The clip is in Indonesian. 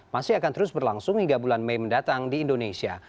masih akan terus berlangsung hingga bulan mei mendatang di indonesia